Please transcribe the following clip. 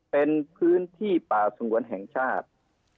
เป็นพื้นที่ป่าสงวนแห่งชาติ